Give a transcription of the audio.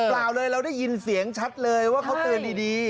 เปล่าเลยเราได้ยินเสียงชัดเลยว่าเขาเตือนดี